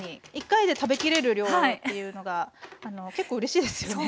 １回で食べきれる量っていうのが結構うれしいですよね。